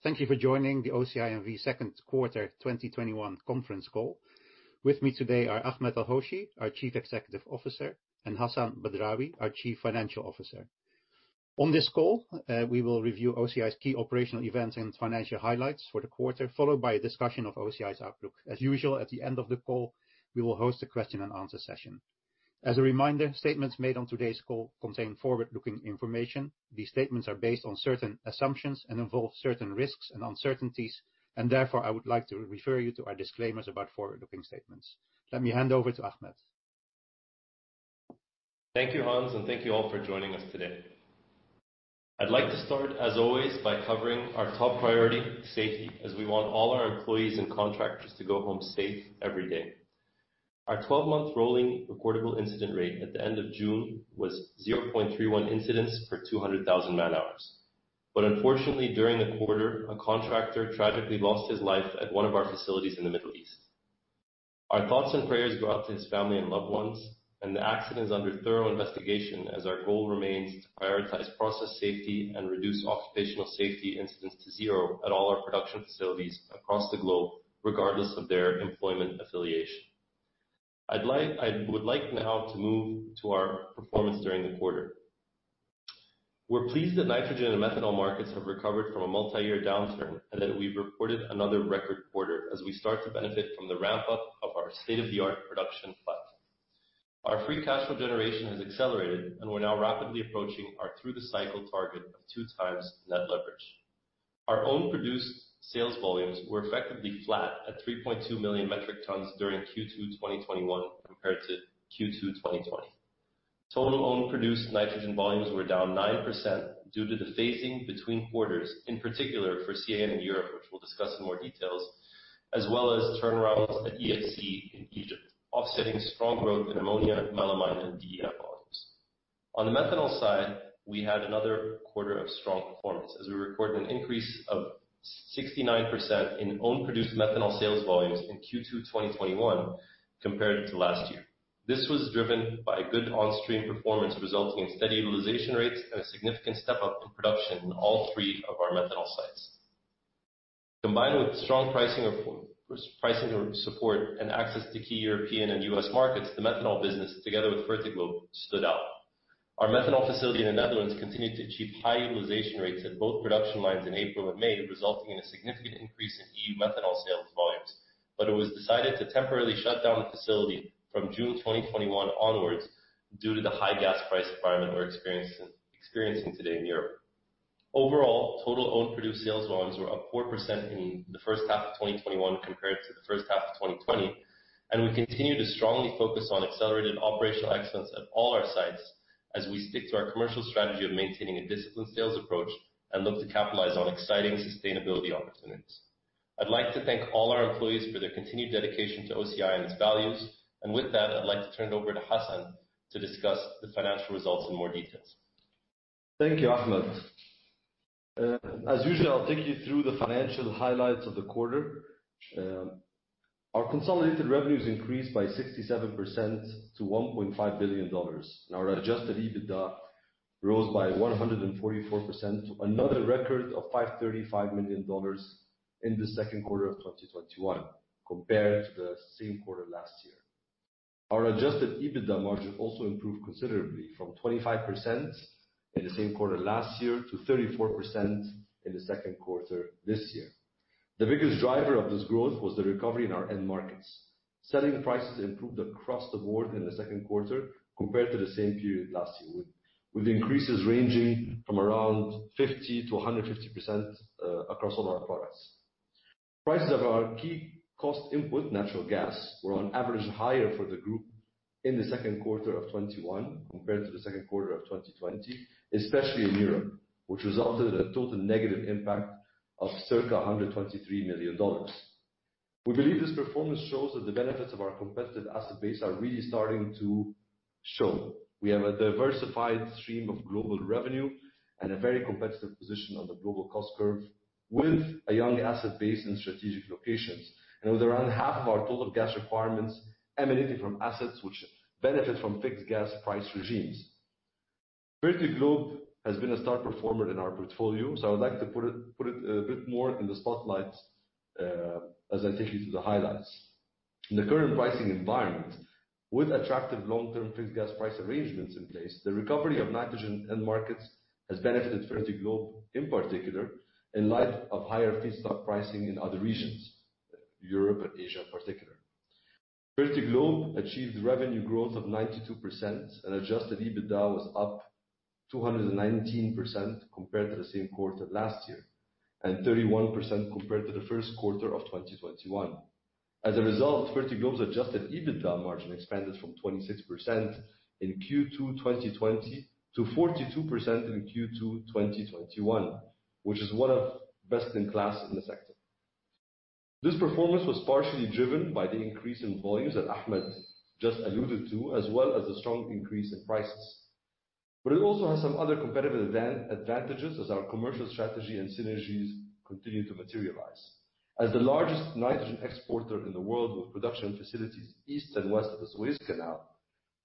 Thank you for joining the OCI N.V. second quarter 2021 conference call. With me today are Ahmed El-Hoshy, our Chief Executive Officer, and Hassan Badrawi, our Chief Financial Officer. On this call, we will review OCI's key operational events and financial highlights for the quarter, followed by a discussion of OCI's outlook. As usual, at the end of the call, we will host a question-and-answer session. As a reminder, statements made on today's call contain forward-looking information. These statements are based on certain assumptions and involve certain risks and uncertainties, and therefore, I would like to refer you to our disclaimers about forward-looking statements. Let me hand over to Ahmed. Thank you, Hans, and thank you all for joining us today. I'd like to start, as always, by covering our top priority, safety, as we want all our employees and contractors to go home safe every day. Our 12-month rolling recordable incident rate at the end of June was 0.31 incidents per 200,000 man-hours. Unfortunately, during the quarter, a contractor tragically lost his life at one of our facilities in the Middle East. Our thoughts and prayers go out to his family and loved ones, the accident is under thorough investigation as our goal remains to prioritize process safety and reduce occupational safety incidents to zero at all our production facilities across the globe regardless of their employment affiliation. I would like now to move to our performance during the quarter. We're pleased that nitrogen and methanol markets have recovered from a multi-year downturn, and that we've reported another record quarter as we start to benefit from the ramp-up of our state-of-the-art production plant. Our free cash flow generation has accelerated, and we're now rapidly approaching our through-the-cycle target of 2x net leverage. Our own produced sales volumes were effectively flat at 3.2 million metric tons during Q2 2021 compared to Q2 2020. Total own produced nitrogen volumes were down 9% due to the phasing between quarters, in particular for CAN and Europe, which we'll discuss in more details, as well as turnarounds at EFC in Egypt, offsetting strong growth in ammonia, melamine, and DEF volumes. On the methanol side, we had another quarter of strong performance as we recorded an increase of 69% in own produced methanol sales volumes in Q2 2021 compared to last year. This was driven by good on-stream performance, resulting in steady utilization rates and a significant step-up in production in all three of our methanol sites. Combined with strong pricing support and access to key European and U.S. markets, the methanol business, together with Fertiglobe, stood out. Our methanol facility in the Netherlands continued to achieve high utilization rates at both production lines in April and May, resulting in a significant increase in EU methanol sales volumes. It was decided to temporarily shut down the facility from June 2021 onwards due to the high gas price environment we're experiencing today in Europe. Overall, total own produced sales volumes were up 4% in the first half of 2021 compared to the first half of 2020, and we continue to strongly focus on accelerated operational excellence at all our sites as we stick to our commercial strategy of maintaining a disciplined sales approach and look to capitalize on exciting sustainability opportunities. I'd like to thank all our employees for their continued dedication to OCI and its values. With that, I'd like to turn it over to Hassan to discuss the financial results in more details. Thank you, Ahmed. As usual, I will take you through the financial highlights of the quarter. Our consolidated revenues increased by 67% to $1.5 billion. Our adjusted EBITDA rose by 144% to another record of $535 million in the second quarter of 2021 compared to the same quarter last year. Our adjusted EBITDA margin also improved considerably from 25% in the same quarter last year to 34% in the second quarter this year. The biggest driver of this growth was the recovery in our end markets. Selling prices improved across the board in the second quarter compared to the same period last year, with increases ranging from around 50%-150% across all our products. Prices of our key cost input, natural gas, were on average higher for the group in the second quarter of 2021 compared to the second quarter of 2020, especially in Europe, which resulted in a total negative impact of circa $123 million. We believe this performance shows that the benefits of our competitive asset base are really starting to show. We have a diversified stream of global revenue and a very competitive position on the global cost curve with a young asset base in strategic locations, and with around half of our total gas requirements emanating from assets which benefit from fixed gas price regimes. Fertiglobe has been a star performer in our portfolio. I would like to put it a bit more in the spotlight as I take you through the highlights. In the current pricing environment, with attractive long-term fixed gas price arrangements in place, the recovery of nitrogen end markets has benefited Fertiglobe in particular, in light of higher feedstock pricing in other regions, Europe and Asia in particular. Fertiglobe achieved revenue growth of 92% and adjusted EBITDA was up 219% compared to the same quarter last year, and 31% compared to the first quarter of 2021. As a result, Fertiglobe's adjusted EBITDA margin expanded from 26% in Q2 2020 to 42% in Q2 2021, which is one of best in class in the sector. This performance was partially driven by the increase in volumes that Ahmed just alluded to, as well as the strong increase in prices. It also has some other competitive advantages as our commercial strategy and synergies continue to materialize. As the largest nitrogen exporter in the world with production facilities east and west of the Suez Canal,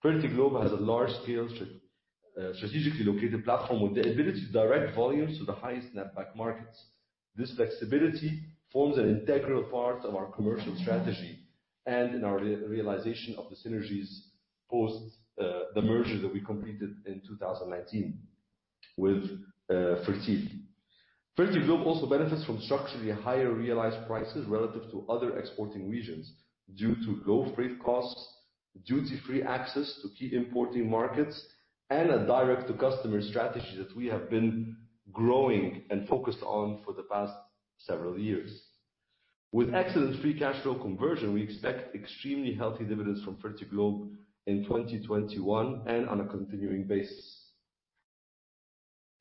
Fertiglobe has a large-scale, strategically located platform with the ability to direct volumes to the highest netback markets. This flexibility forms an integral part of our commercial strategy and in our realization of the synergies post the merger that we completed in 2019 with Fertil. Fertiglobe also benefits from structurally higher realized prices relative to other exporting regions due to low freight costs, duty-free access to key importing markets, and a direct-to-customer strategy that we have been growing and focused on for the past several years. With excellent free cash flow conversion, we expect extremely healthy dividends from Fertiglobe in 2021 and on a continuing basis.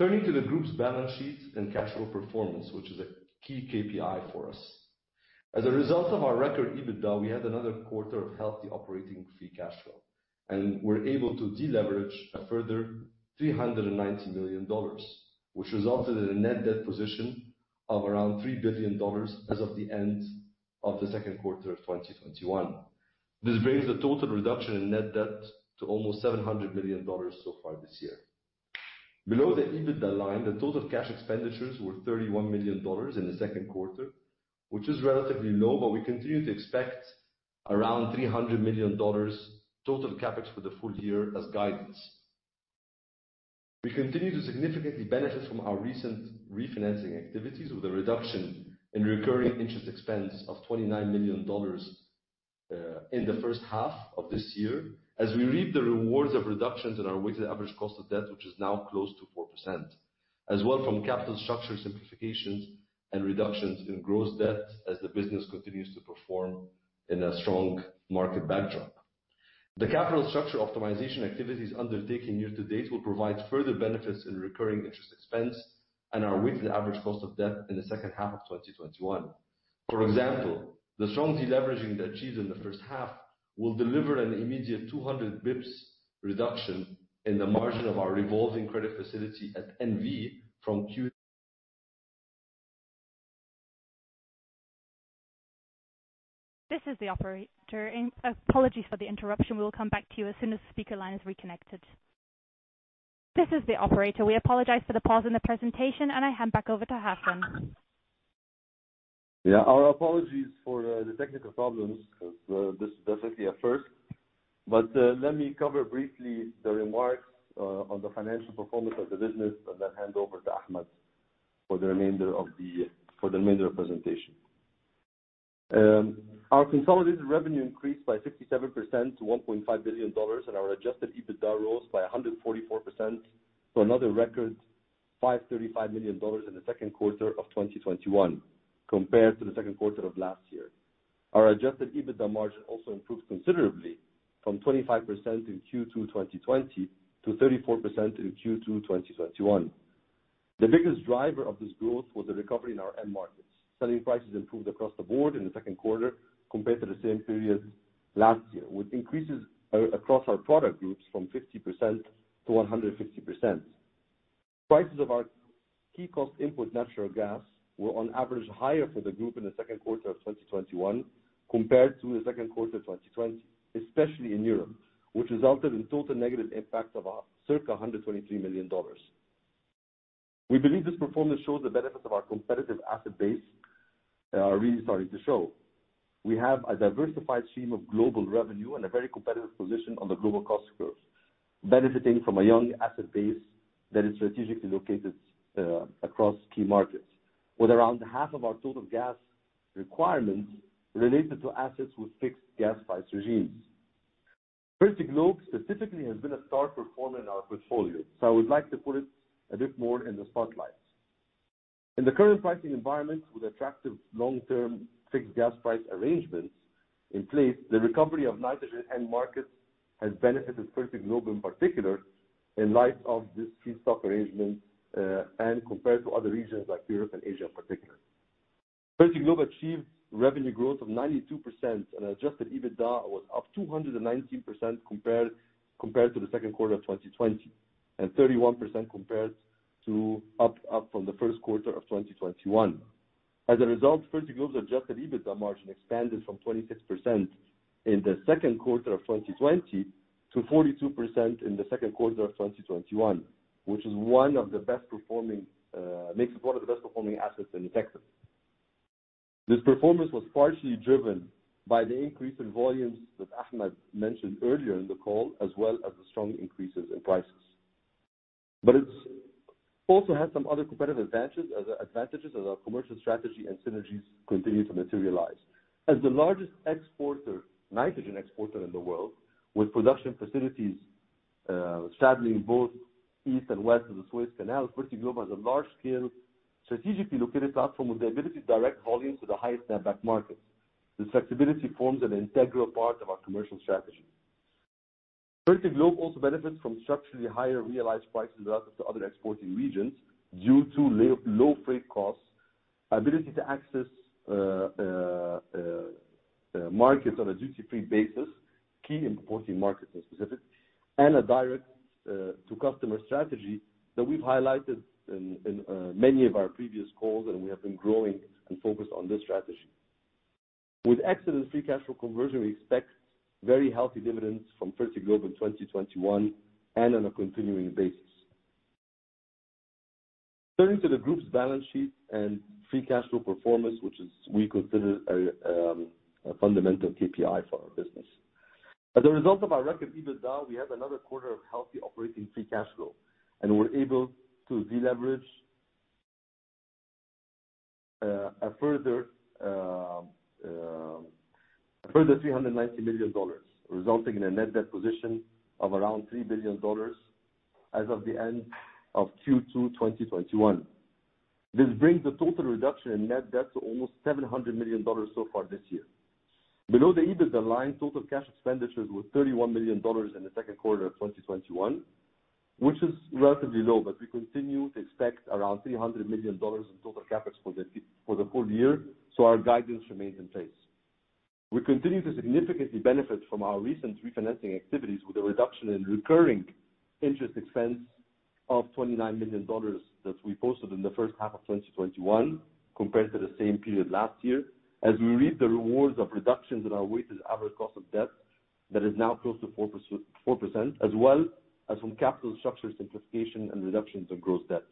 Turning to the group's balance sheet and cash flow performance, which is a key KPI for us. As a result of our record EBITDA, we had another quarter of healthy operating free cash flow and were able to deleverage a further $390 million, which resulted in a net debt position of around $3 billion as of the end of the second quarter of 2021. This brings the total reduction in net debt to almost $700 million so far this year. Below the EBITDA line, the total cash expenditures were $31 million in the second quarter, which is relatively low, but we continue to expect around $300 million total CapEx for the full year as guidance. We continue to significantly benefit from our recent refinancing activities with a reduction in recurring interest expense of $29 million in the first half of this year, as we reap the rewards of reductions in our weighted average cost of debt, which is now close to 4%, as well from capital structure simplifications and reductions in gross debt as the business continues to perform in a strong market backdrop. The capital structure optimization activities undertaken year to date will provide further benefits in recurring interest expense and our weighted average cost of debt in the second half of 2021. For example, the strong deleveraging achieved in the first half will deliver an immediate 200 bps reduction in the margin of our revolving credit facility at N.V. from. This is the operator. Apologies for the interruption. We will come back to you as soon as the speaker line is reconnected. This is the operator. We apologize for the pause in the presentation, and I hand back over to Hassan. Yeah, our apologies for the technical problems because this definitely a first. Let me cover briefly the remarks on the financial performance of the business and then hand over to Ahmed for the remainder of the presentation. Our consolidated revenue increased by 67% to $1.5 billion, and our adjusted EBITDA rose by 144% to another record, $535 million in the second quarter of 2021 compared to the second quarter of last year. Our adjusted EBITDA margin also improved considerably from 25% in Q2 2020 to 34% in Q2 2021. The biggest driver of this growth was the recovery in our end markets. Selling prices improved across the board in the second quarter compared to the same period last year, with increases across our product groups from 50% to 150%. Prices of our key cost input, natural gas, were on average higher for the group in the second quarter of 2021 compared to the second quarter 2020, especially in Europe, which resulted in total negative impact of circa $123 million. We believe this performance shows the benefits of our competitive asset base are really starting to show. We have a diversified stream of global revenue and a very competitive position on the global cost curves, benefiting from a young asset base that is strategically located across key markets, with around half of our total gas requirements related to assets with fixed gas price regimes. Fertiglobe specifically has been a star performer in our portfolio, I would like to put it a bit more in the spotlight. In the current pricing environment, with attractive long-term fixed gas price arrangements in place, the recovery of nitrogen end markets has benefited Fertiglobe in particular, in light of this feedstock arrangement, and compared to other regions like Europe and Asia, particularly. Fertiglobe achieved revenue growth of 92% and adjusted EBITDA was up 219% compared to the second quarter of 2020, and 31% compared to the first quarter of 2021. Result, Fertiglobe's adjusted EBITDA margin expanded from 26% in the second quarter of 2020 to 42% in the second quarter of 2021, which makes it one of the best-performing assets in effect. This performance was partially driven by the increase in volumes that Ahmed mentioned earlier in the call, as well as the strong increases in prices. It also has some other competitive advantages as our commercial strategy and synergies continue to materialize. As the largest exporter, nitrogen exporter in the world with production facilities straddling both east and west of the Suez Canal, Fertiglobe has a large-scale, strategically located platform with the ability to direct volumes to the highest netback markets. This flexibility forms an integral part of our commercial strategy. Fertiglobe also benefits from structurally higher realized prices relative to other exporting regions due to low freight costs, ability to access markets on a duty-free basis, key importing markets in specific, and a direct-to-customer strategy that we've highlighted in many of our previous calls, and we have been growing and focused on this strategy. With excellent free cash flow conversion, we expect very healthy dividends from Fertiglobe in 2021 and on a continuing basis. Turning to the group's balance sheet and free cash flow performance, which we consider a fundamental KPI for our business. As a result of our record EBITDA, we had another quarter of healthy operating free cash flow, and were able to deleverage a further $390 million, resulting in a net debt position of around $3 billion as of the end of Q2 2021. This brings the total reduction in net debt to almost $700 million so far this year. Below the EBITDA line, total cash expenditures were $31 million in the second quarter of 2021, which is relatively low, but we continue to expect around $300 million in total CapEx for the whole year, so our guidance remains in place. We continue to significantly benefit from our recent refinancing activities with a reduction in recurring interest expense of $29 million that we posted in the first half of 2021 compared to the same period last year. We reap the rewards of reductions in our weighted average cost of debt that is now close to 4%, as well as from capital structure simplification and reductions in gross debts.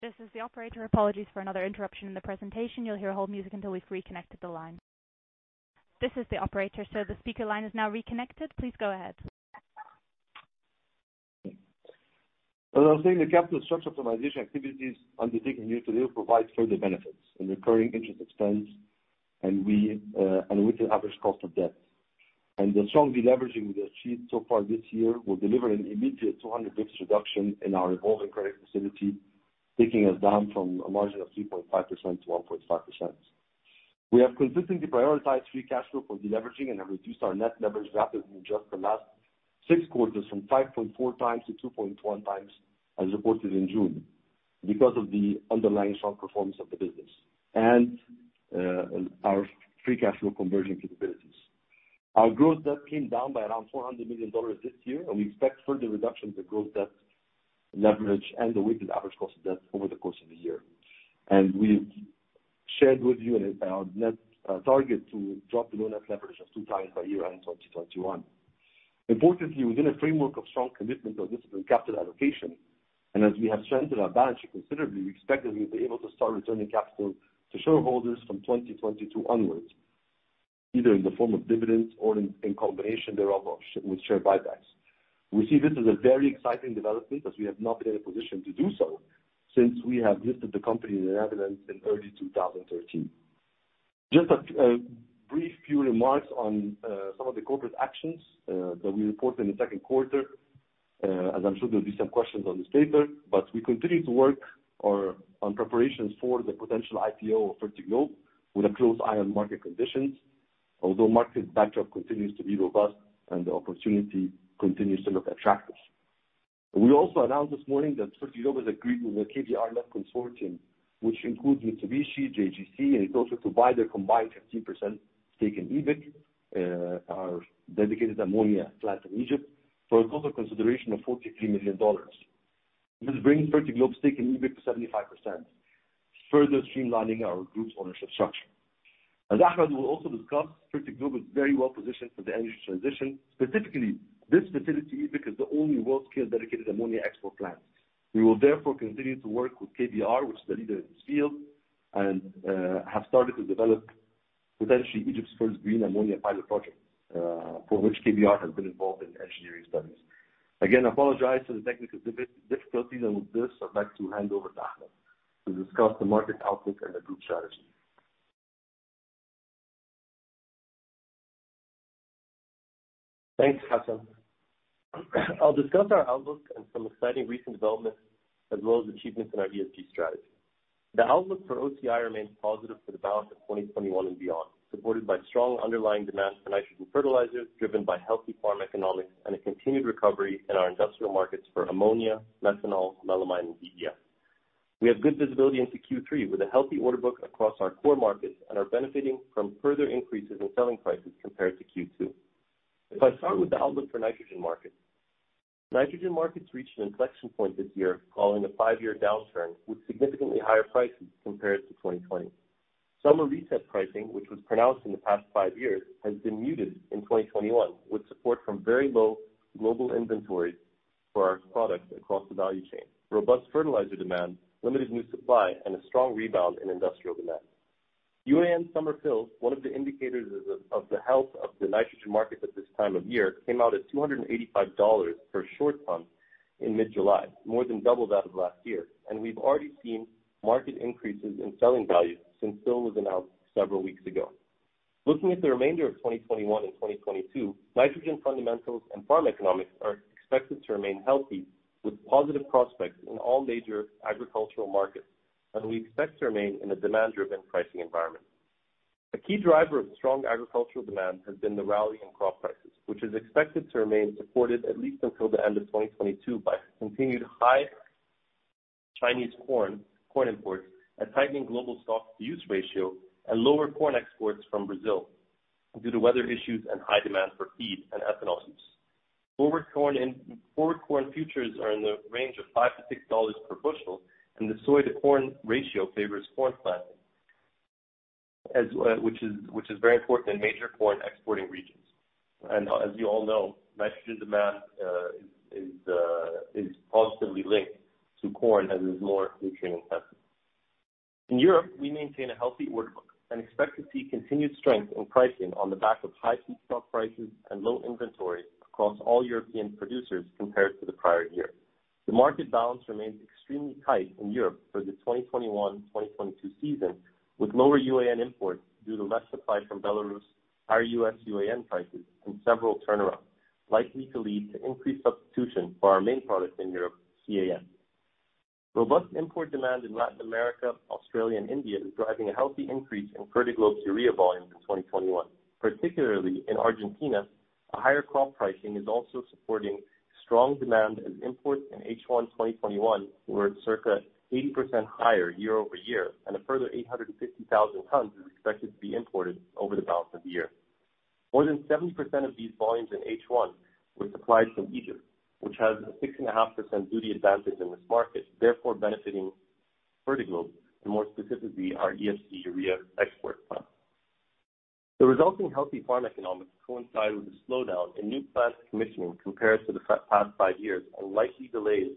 Sir, the speaker line is now reconnected. Please go ahead. As I was saying, the capital structure optimization activities undertaken year-to-date will provide further benefits in recurring interest expense and weighted average cost of debt. The strong deleveraging we have achieved so far this year will deliver an immediate 200 bps reduction in our revolving credit facility, taking us down from a margin of 3.5% to 1.5%. We have consistently prioritized free cash flow for deleveraging and have reduced our net leverage rapidly in just the last six quarters from 5.4x to 2.1x as reported in June, because of the underlying strong performance of the business and our free cash flow conversion capabilities. Our gross debt came down by around $400 million this year, and we expect further reductions in gross debt leverage and the weighted average cost of debt over the course of the year. We shared with you our net target to drop to low net leverage of 2x by year-end 2021. Importantly, within a framework of strong commitment to disciplined capital allocation, and as we have strengthened our balance sheet considerably, we expect that we will be able to start returning capital to shareholders from 2022 onwards, either in the form of dividends or in combination thereof with share buybacks. We see this as a very exciting development, as we have not been in a position to do so since we have listed the company in Amsterdam in early 2013. Just a brief few remarks on some of the corporate actions that we reported in the second quarter, as I'm sure there'll be some questions on this later, but we continue to work on preparations for the potential IPO of Fertiglobe with a close eye on market conditions. Although market backdrop continues to be robust and the opportunity continues to look attractive. We also announced this morning that Fertiglobe has agreed with the KBR-led consortium, which includes Mitsubishi, JGC, and ITOCHU Corporation, to buy their combined 15% stake in EBIC, our dedicated ammonia plant in Egypt, for a total consideration of $43 million. This brings Fertiglobe's stake in EBIC to 75%, further streamlining our group's ownership structure. As Ahmed will also discuss, Fertiglobe is very well positioned for the energy transition, specifically this facility, EBIC, is the only world-scale dedicated ammonia export plant. We will therefore continue to work with KBR, which is the leader in this field, and have started to develop potentially Egypt's first green ammonia pilot project, for which KBR has been involved in engineering studies. Again, apologize for the technical difficulties, and with this, I'd like to hand over to Ahmed to discuss the market outlook and the group strategy. Thanks, Hassan. I'll discuss our outlook and some exciting recent developments as well as achievements in our ESG strategy. The outlook for OCI remains positive for the balance of 2021 and beyond, supported by strong underlying demand for nitrogen fertilizers driven by healthy farm economics and a continued recovery in our industrial markets for ammonia, methanol, melamine, and DEF. We have good visibility into Q3 with a healthy order book across our core markets and are benefiting from further increases in selling prices compared to Q2. If I start with the outlook for nitrogen markets. Nitrogen markets reached an inflection point this year following a five-year downturn with significantly higher prices compared to 2020. Summer reset pricing, which was pronounced in the past five years, has been muted in 2021, with support from very low global inventories for our products across the value chain, robust fertilizer demand, limited new supply, and a strong rebound in industrial demand. UAN summer fills, one of the indicators of the health of the nitrogen market at this time of year, came out at $285 per short ton in mid-July, more than double that of last year. We've already seen market increases in selling value since fill was announced several weeks ago. Looking at the remainder of 2021 and 2022, nitrogen fundamentals and farm economics are expected to remain healthy, with positive prospects in all major agricultural markets, we expect to remain in a demand-driven pricing environment. A key driver of strong agricultural demand has been the rally in crop prices, which is expected to remain supported at least until the end of 2022 by continued high Chinese corn imports, a tightening global stock-to-use ratio, and lower corn exports from Brazil due to weather issues and high demand for feed and ethanol use. Forward corn futures are in the range of $5-$6 per bushel, the soy-to-corn ratio favors corn planting, which is very important in major corn exporting regions. As you all know, nitrogen demand is positively linked to corn, as is more nutrient intensive. In Europe, we maintain a healthy order book and expect to see continued strength in pricing on the back of high feedstock prices and low inventory across all European producers compared to the prior year. The market balance remains extremely tight in Europe for the 2021-2022 season, with lower UAN imports due to less supply from Belarus, higher U.S. UAN prices, and several turnarounds likely to lead to increased substitution for our main product in Europe, CAN. Robust import demand in Latin America, Australia, and India is driving a healthy increase in Fertiglobe's urea volume in 2021. Particularly in Argentina, a higher crop pricing is also supporting strong demand as imports in H1 2021 were circa 80% higher year-over-year, and a further 850,000 tons is expected to be imported over the balance of the year. More than 70% of these volumes in H1 were supplied from Egypt, which has a 6.5% duty advantage in this market, therefore benefiting Fertiglobe, and more specifically, our EFC urea export plant. The resulting healthy farm economics coincide with a slowdown in new plant commissioning compared to the past five years, and likely delays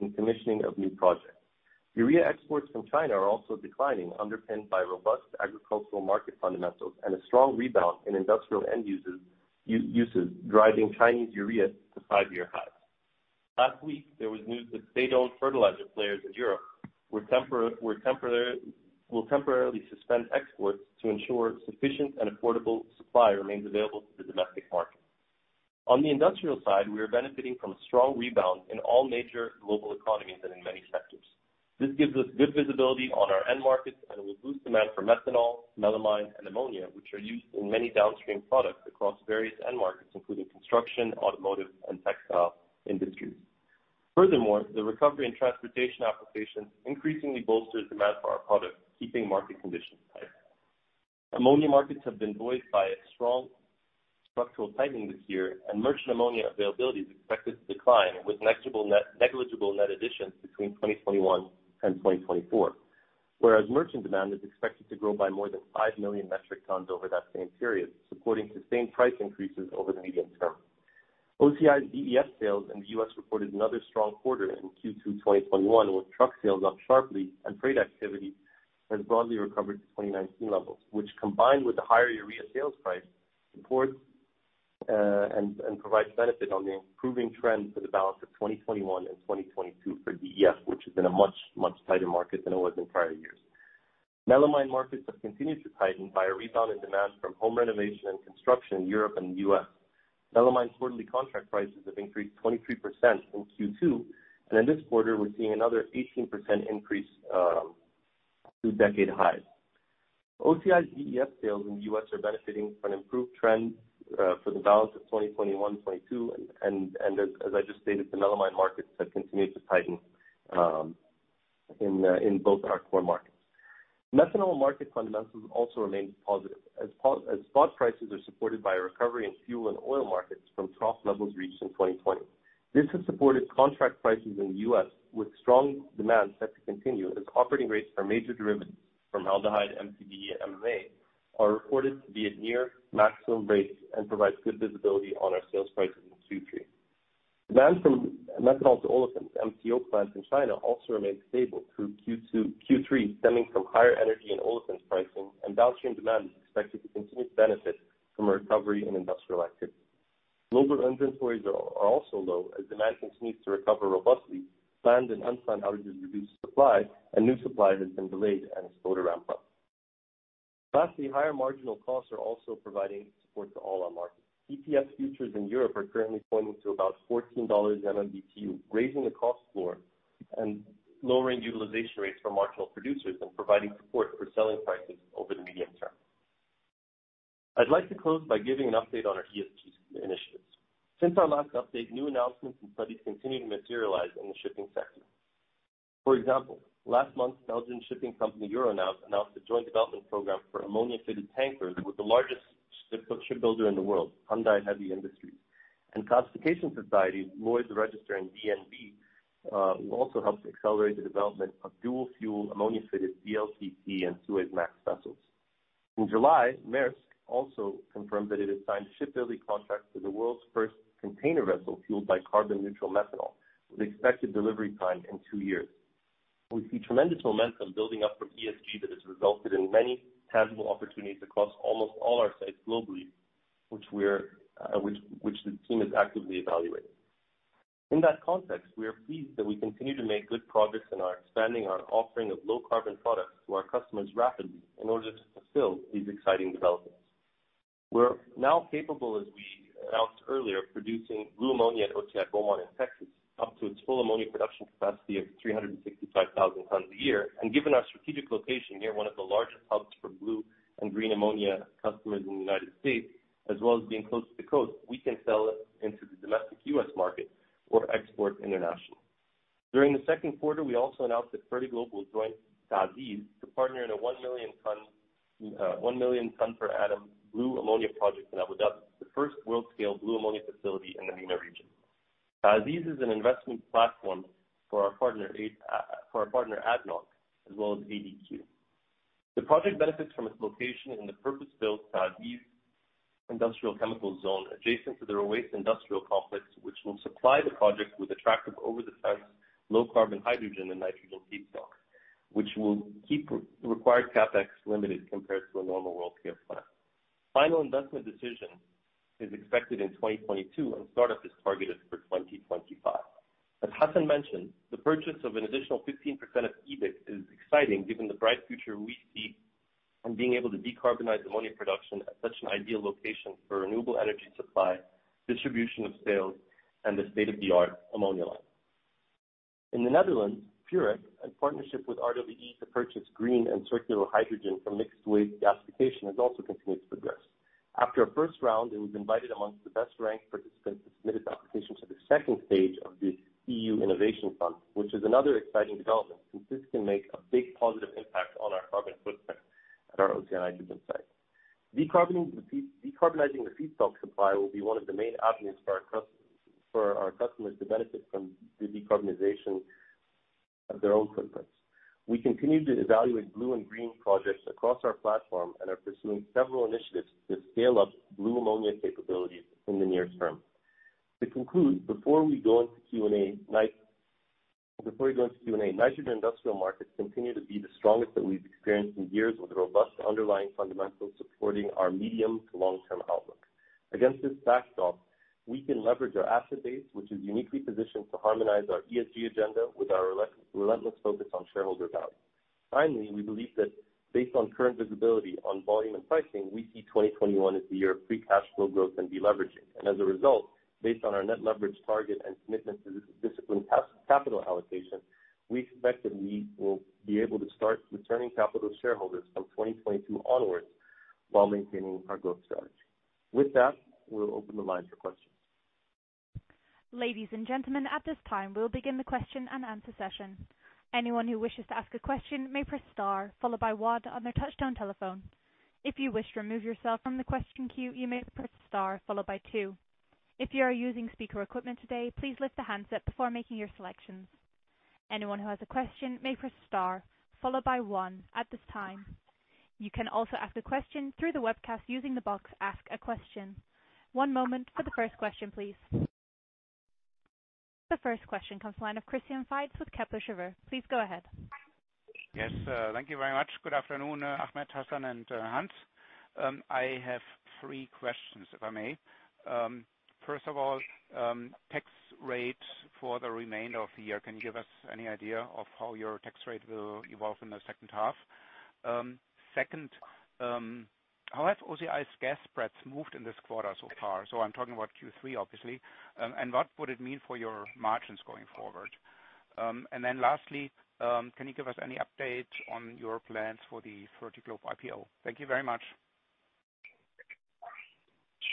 in the commissioning of new projects. Urea exports from China are also declining, underpinned by robust agricultural market fundamentals and a strong rebound in industrial end uses, driving Chinese urea to five-year highs. Last week, there was news that state-owned fertilizer players in Europe will temporarily suspend exports to ensure sufficient and affordable supply remains available to the domestic market. On the industrial side, we are benefiting from a strong rebound in all major global economies and in many sectors. This gives us good visibility on our end markets and will boost demand for methanol, melamine, and ammonia, which are used in many downstream products across various end markets, including construction, automotive, and textile industries. The recovery in transportation applications increasingly bolsters demand for our products, keeping market conditions tight. Ammonia markets have been buoyed by a strong structural tightening this year, and merchant ammonia availability is expected to decline with negligible net additions between 2021 and 2024. Whereas merchant demand is expected to grow by more than 5 million metric tons over that same period, supporting sustained price increases over the medium term. OCI's DEF sales in the U.S. reported another strong quarter in Q2 2021, with truck sales up sharply and freight activity has broadly recovered to 2019 levels, which combined with the higher urea sales price, supports and provides benefit on the improving trend for the balance of 2021 and 2022 for DEF, which has been a much tighter market than it was in prior years. Melamine markets have continued to tighten by a rebound in demand from home renovation and construction in Europe and the U.S. Melamine quarterly contract prices have increased 23% in Q2, and in this quarter, we're seeing another 18% increase to decade highs. OCI's DEF sales in the U.S. are benefiting from an improved trend for the balance of 2021, 2022, and as I just stated, the melamine markets have continued to tighten in both our core markets. Methanol market fundamentals also remain positive as spot prices are supported by a recovery in fuel and oil markets from trough levels reached in 2020. This has supported contract prices in the U.S. with strong demand set to continue as operating rates for major derivatives from formaldehyde, MTBE, and MMA are reported to be at near maximum rates and provides good visibility on our sales prices in Q3. Demand from methanol-to-olefin, MTO plants in China also remains stable through Q3, stemming from higher energy and olefins pricing, and downstream demand is expected to continue to benefit from a recovery in industrial activity. Global inventories are also low as demand continues to recover robustly, planned and unplanned outages reduce supply, and new supply has been delayed and is slower to ramp up. Lastly, higher marginal costs are also providing support to all our markets. TTF futures in Europe are currently pointing to about $14 MMBtu, raising the cost floor and lowering utilization rates for marginal producers and providing support for selling prices over the medium term. I'd like to close by giving an update on our ESG initiatives. Since our last update, new announcements and studies continue to materialize in the shipping sector. For example, last month, Belgian shipping company Euronav announced a joint development program for ammonia-fitted tankers with the largest shipbuilder in the world, Hyundai Heavy Industries. Classification societies Lloyd's Register and DNV will also help to accelerate the development of dual-fuel ammonia-fitted VLCC and Suezmax vessels. In July, Maersk also confirmed that it had signed a shipbuilding contract for the world's first container vessel fueled by carbon-neutral methanol, with expected delivery time in two years. We see tremendous momentum building up for ESG that has resulted in many tangible opportunities across almost all our sites globally, which the team is actively evaluating. In that context, we are pleased that we continue to make good progress in expanding our offering of low-carbon products to our customers rapidly in order to fulfill these exciting developments. We are now capable, as we announced earlier, of producing blue ammonia at OCI Beaumont in Texas, up to its full ammonia production capacity of 365,000 tons a year. Given our strategic location near one of the largest hubs for blue and green ammonia customers in the U.S., as well as being close to the coast, we can sell it into the domestic U.S. market or export internationally. During the second quarter, we also announced that Fertiglobe will join TA'ZIZ to partner in a 1 million ton per annum blue ammonia project in Abu Dhabi, the first world-scale blue ammonia facility in the MENA region. TA'ZIZ is an investment platform for our partner, ADNOC, as well as ADQ. The project benefits from its location in the purpose-built TA'ZIZ industrial chemical zone adjacent to the Ruwais industrial complex, which will supply the project with attractive over the fence, low carbon, hydrogen, and nitrogen feedstock, which will keep required CapEx limited compared to a normal world scale plant. Final investment decision is expected in 2022, and startup is targeted for 2025. As Hassan mentioned, the purchase of an additional 15% of EBIC is exciting given the bright future we see in being able to decarbonize ammonia production at such an ideal location for renewable energy supply, distribution of sales, and the state-of-the-art ammonia line. In the Netherlands, BioMCN, in partnership with RWE to purchase green and circular hydrogen from mixed waste gasification, has also continued to progress. After our first round, it was invited amongst the best-ranked participants who submitted applications for the second stage of the EU Innovation Fund, which is another exciting development since this can make a big positive impact on our carbon footprint at our OCI Nitrogen site. Decarbonizing the feedstock supply will be one of the main avenues for our customers to benefit from the decarbonization of their own footprints. We continue to evaluate blue and green projects across our platform and are pursuing several initiatives to scale up blue ammonia capabilities in the nearest term. To conclude, before we go into Q&A, nitrogen industrial markets continue to be the strongest that we've experienced in years, with robust underlying fundamentals supporting our medium to long-term outlook. Against this backdrop, we can leverage our asset base, which is uniquely positioned to harmonize our ESG agenda with our relentless focus on shareholder value. Finally, we believe that based on current visibility on volume and pricing, we see 2021 as the year of free cash flow growth and deleveraging. As a result, based on our net leverage target and commitment to disciplined capital allocation, we expect that we will be able to start returning capital to shareholders from 2022 onwards while maintaining our growth strategy. With that, we'll open the line for questions. The first question comes to the line of Christian Faitz with Kepler Cheuvreux. Please go ahead. Yes. Thank you very much. Good afternoon, Ahmed, Hassan, and Hans. I have three questions, if I may. First of all, tax rate for the remainder of the year. Can you give us any idea of how your tax rate will evolve in the second half? Second, how have OCI's gas spreads moved in this quarter so far? I'm talking about Q3, obviously. What would it mean for your margins going forward? Lastly, can you give us any update on your plans for the Fertiglobe IPO? Thank you very much.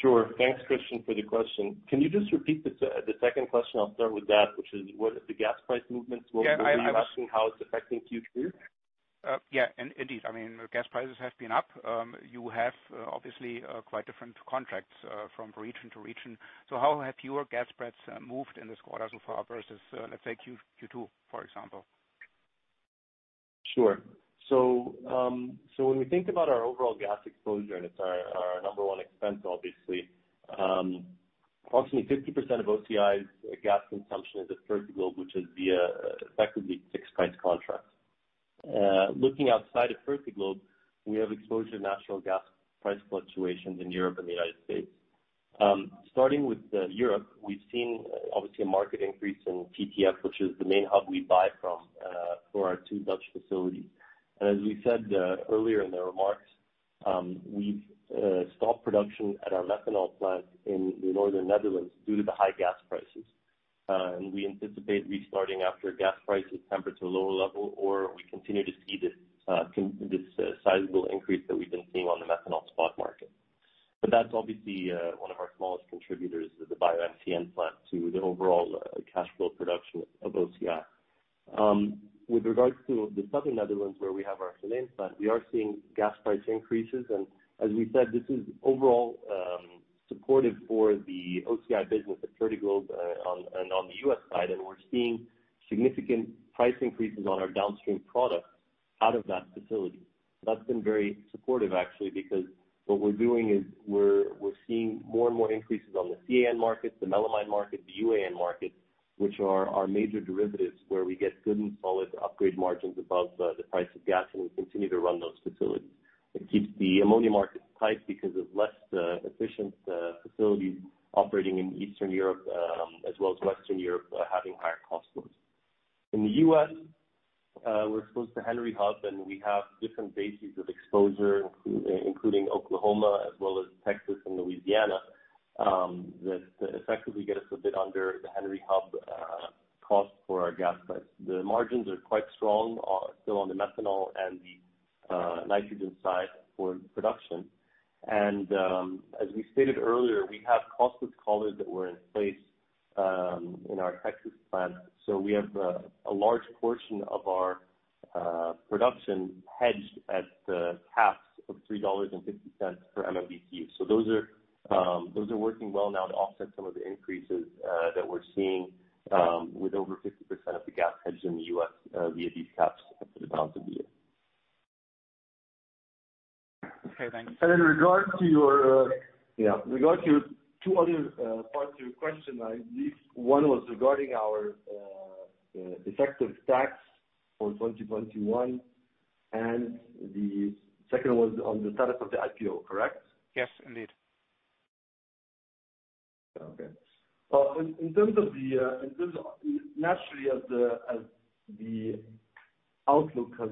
Sure. Thanks, Christian, for the question. Can you just repeat the second question? I'll start with that, which is the gas price movements globally. Were you asking how it's affecting Q3? Yeah, indeed. Gas prices have been up. You have obviously quite different contracts from region to region. How have your gas spreads moved in this quarter so far versus, let's say Q2, for example? Sure. When we think about our overall gas exposure, and it's our number one expense, obviously, approximately 50% of OCI's gas consumption is at Fertiglobe, which is via effectively fixed price contracts. Looking outside of Fertiglobe, we have exposure to natural gas price fluctuations in Europe and the U.S. Starting with Europe, we've seen obviously a market increase in TTF, which is the main hub we buy from for our two Dutch facilities. As we said earlier in the remarks, we've stopped production at our methanol plant in the northern Netherlands due to the high gas prices. We anticipate restarting after gas prices temper to a lower level, or we continue to see this sizable increase that we've been seeing on the methanol spot market. That's obviously one of our smallest contributors is the BioMCN plant to the overall cash flow production of OCI. With regards to the southern Netherlands, where we have our Geleen plant, we are seeing gas price increases. As we said, this is overall supportive for the OCI business at Fertiglobe and on the U.S. side. We're seeing significant price increases on our downstream products out of that facility. That's been very supportive, actually, because what we're doing is we're seeing more and more increases on the CAN market, the melamine market, the UAN market, which are our major derivatives, where we get good and solid upgrade margins above the price of gas, and we continue to run those facilities. It keeps the ammonia market tight because of less efficient facilities operating in Eastern Europe as well as Western Europe having higher cost loads. In the U.S., we're exposed to Henry Hub, and we have different bases of exposure, including Oklahoma as well as Texas and Louisiana, that effectively get us a bit under the Henry Hub cost for our gas spreads. The margins are quite strong still on the methanol and the nitrogen side for production. As we stated earlier, we have costless collars that were in place in our Texas plant. We have a large portion of our production hedged at the caps of $3.50 per MMBtu. Those are working well now to offset some of the increases that we're seeing with over 50% of the gas hedged in the U.S. via these caps for the balance of the year. Okay, thanks. In regard to your two other parts to your question, I believe one was regarding our effective tax for 2021, and the second one on the status of the IPO, correct? Yes, indeed. Naturally, as the outlook has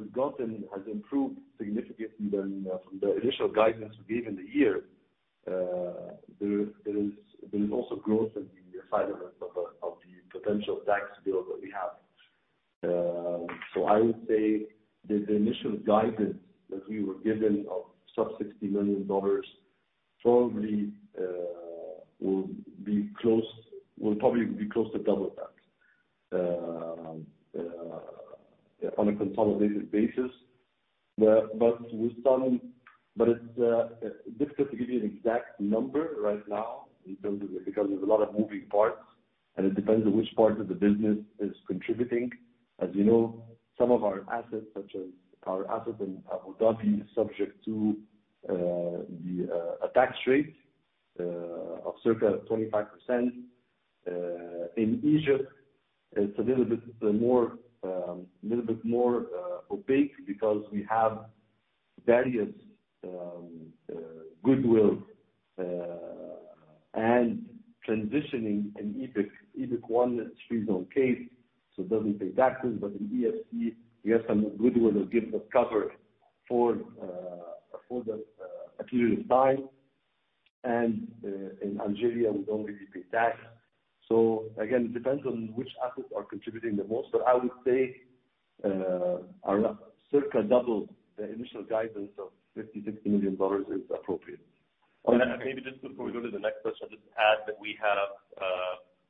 improved significantly than from the initial guidance we gave in the year, there is also growth in the size of the potential tax bill that we have. I would say that the initial guidance that we were given of sub $60 million probably will probably be close to double that on a consolidated basis. It's difficult to give you an exact number right now in terms of it, because there's a lot of moving parts, and it depends on which part of the business is contributing. As you know, some of our assets, such as our asset in Abu Dhabi, is subject to a tax rate of circa 25%. In Egypt, it's a little bit more opaque because we have various goodwill and transitioning in EBIC. EBIC, one is a free zone case, it doesn't pay taxes. In EFC, we have some goodwill that gives us cover for a period of time, and in Algeria, we don't really pay tax. Again, it depends on which assets are contributing the most. I would say, circa double the initial guidance of $50 million-$60 million is appropriate. Maybe just before we go to the next question, just to add that we have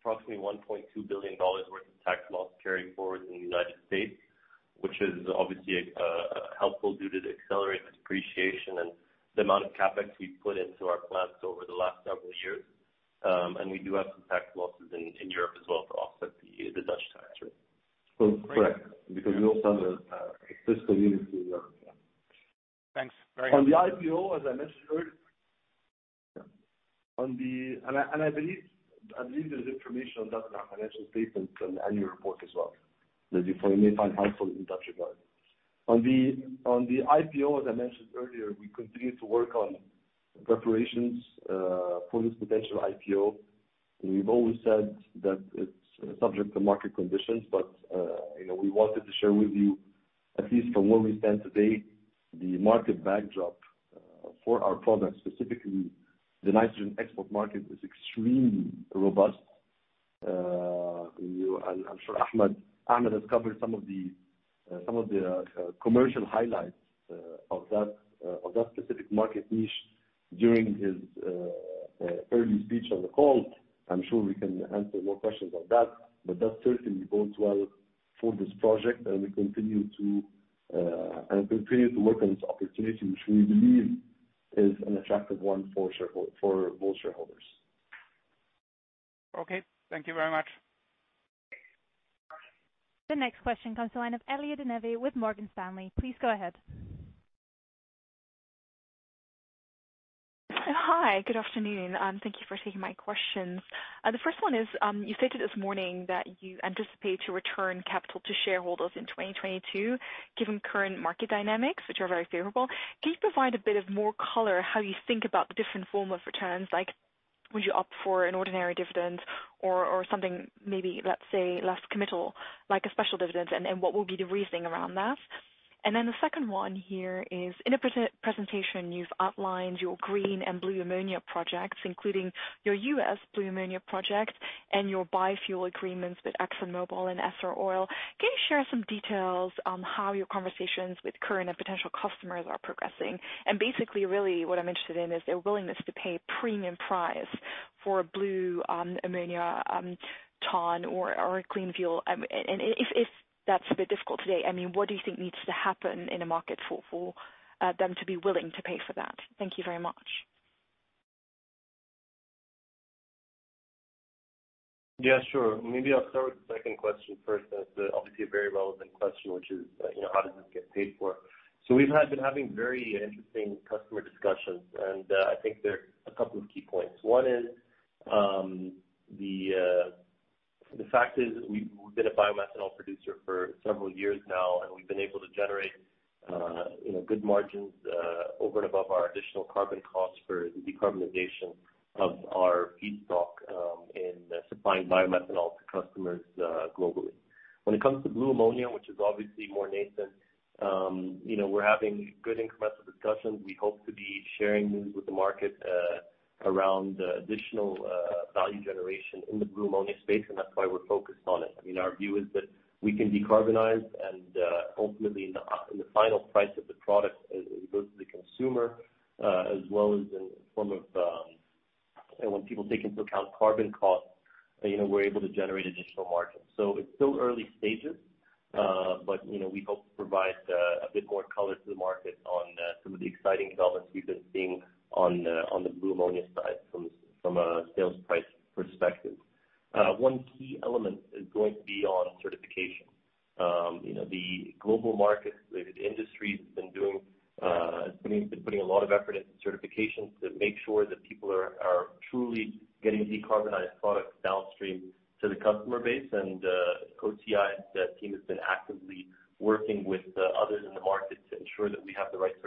approximately $1.2 billion worth of tax loss carry-forward in the United States, which is obviously helpful due to the accelerated depreciation and the amount of CapEx we've put into our plants over the last several years. We do have some tax losses in Europe as well to offset the Dutch tax rate. Correct. We also have a sister unit in Europe. Thanks very much. On the IPO, as I mentioned earlier. I believe there's information on that, on our financial statements and annual report as well, that you may find helpful in that regard. On the IPO, as I mentioned earlier, we continue to work on preparations for this potential IPO. We've always said that it's subject to market conditions. We wanted to share with you, at least from where we stand today, the market backdrop for our products, specifically the nitrogen export market, is extremely robust. I'm sure Ahmed has covered some of the commercial highlights of that specific market niche during his early speech on the call. I'm sure we can answer more questions on that. That certainly bodes well for this project. We continue to work on this opportunity, which we believe is an attractive one for both shareholders. Okay. Thank you very much. The next question comes to line of Lisa de Neve with Morgan Stanley. Please go ahead. Hi, good afternoon. Thank you for taking my questions. The first one is, you stated this morning that you anticipate to return capital to shareholders in 2022, given current market dynamics, which are very favorable. Can you provide a bit of more color how you think about the different form of returns? Like would you opt for an ordinary dividend or something, maybe, let's say, less committal, like a special dividend, what will be the reasoning around that? The second one here is, in the presentation, you've outlined your green and blue ammonia projects, including your U.S. blue ammonia project and your biofuel agreements with ExxonMobil and Essar Oil. Can you share some details on how your conversations with current and potential customers are progressing? Basically, really what I'm interested in is their willingness to pay premium price for a blue ammonia ton or a clean fuel. If that's a bit difficult today, what do you think needs to happen in a market for them to be willing to pay for that? Thank you very much. Yeah, sure. Maybe I'll start with the second question first, as obviously a very relevant question, which is, how does this get paid for? We've been having very interesting customer discussions, and I think there are a couple of key points. One is, the fact is we've been a bio-methanol producer for several years now, and we've been able to generate good margins over and above our additional carbon costs for the decarbonization of our feedstock in supplying bio-methanol to customers globally. When it comes to blue ammonia, which is obviously more nascent, we're having good incremental discussions. We hope to be sharing news with the market around additional value generation in the blue ammonia space, and that's why we're focused on it. Our view is that we can decarbonize and ultimately in the final price of the product as it goes to the consumer, as well as when people take into account carbon costs, we're able to generate additional margins. It's still early stages, but we hope to provide a bit more color to the market on some of the exciting developments we've been seeing on the blue ammonia side from a sales price perspective. One key element is going to be on certification. The global market, the industry has been putting a lot of effort into certifications to make sure that people are truly getting decarbonized products downstream to the customer base. The OCI team has been actively working with others in the market to ensure that we have the right certification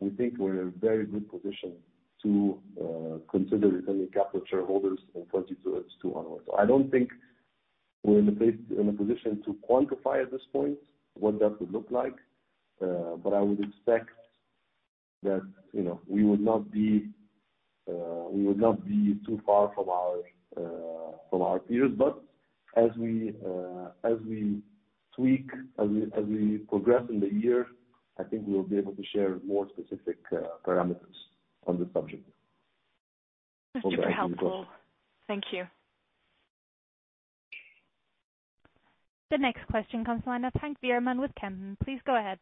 we think we're in a very good position to consider returning capital to shareholders in 2022 onwards. I don't think we're in a position to quantify at this point what that would look like. I would expect that we would not be too far from our peers. As we tweak, as we progress in the year, I think we will be able to share more specific parameters on this subject. Super helpful. Thank you. The next question comes line of Henk Veerman with Kempen. Please go ahead.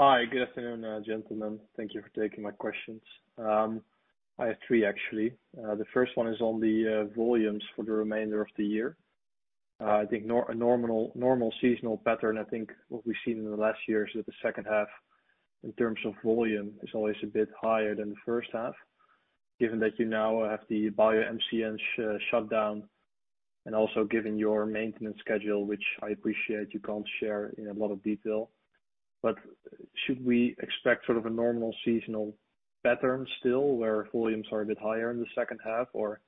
Hi. Good afternoon, gentlemen. Thank you for taking my questions. I have three, actually. The first one is on the volumes for the remainder of the year. I think a normal seasonal pattern, I think what we've seen in the last years, that the second half in terms of volume is always a bit higher than the first half. Given that you now have the BioMCN shutdown and also given your maintenance schedule, which I appreciate you can't share in a lot of detail, should we expect a normal seasonal pattern still where volumes are a bit higher in the second half, or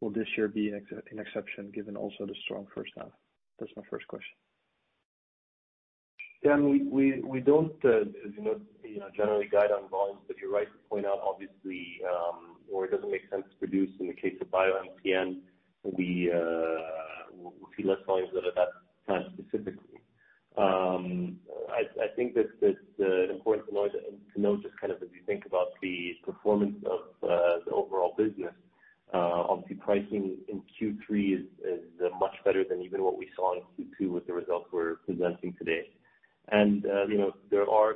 will this year be an exception given also the strong first half? That's my first question. We don't generally guide on volumes, but you're right to point out, obviously, where it doesn't make sense to produce in the case of BioMCN, we'll see less volumes out of that plant specifically. I think that an important point to note, just as you think about the performance of the overall business, obviously pricing in Q3 is much better than even what we saw in Q2 with the results we're presenting today. There are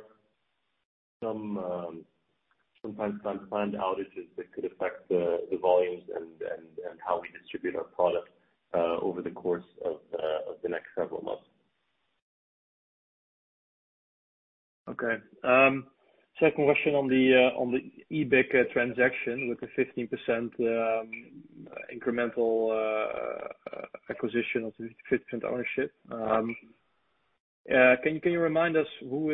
sometimes unplanned outages that could affect the volumes and how we distribute our product over the course of the next several months. Okay. Second question on the EBIC transaction, with the 15% incremental acquisition of the 50% ownership. Correct. Can you remind us who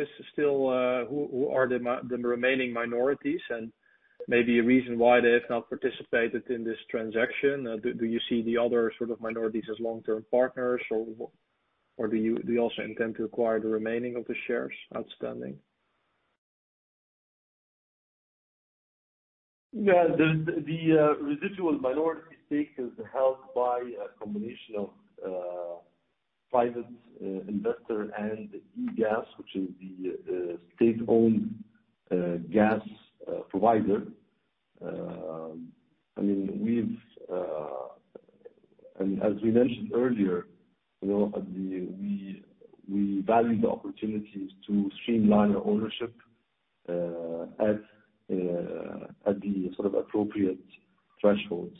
are the remaining minorities and maybe a reason why they have not participated in this transaction? Do you see the other minorities as long-term partners, or do you also intend to acquire the remaining of the shares outstanding? The residual minority stake is held by a combination of private investor and EGAS, which is the state-owned gas provider. As we mentioned earlier, we value the opportunities to streamline our ownership at the appropriate thresholds.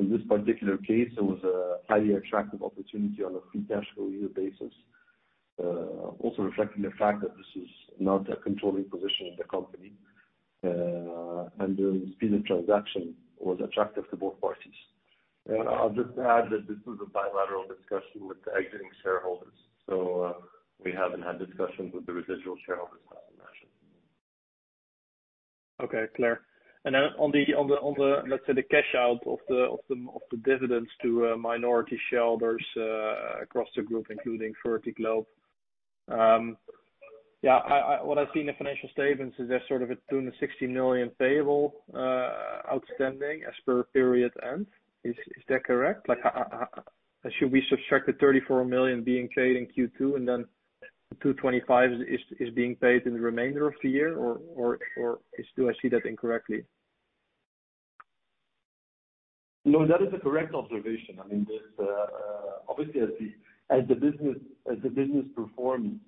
In this particular case, it was a highly attractive opportunity on a free cash flow year basis. Also reflecting the fact that this is not a controlling position in the company, and the speed of transaction was attractive to both parties. I'll just add that this was a bilateral discussion with the exiting shareholders. We haven't had discussions with the residual shareholders as mentioned. Okay, clear. Then on the, let's say, the cash out of the dividends to minority shareholders across the group, including Fertiglobe, what I see in the financial statements is there's sort of a $260 million payable, outstanding as per period end. Is that correct? Should we subtract the $34 million being paid in Q2 and then $225 million is being paid in the remainder of the year? Do I see that incorrectly? No, that is a correct observation. Obviously, as the business performs